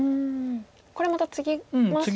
これまたツギますと。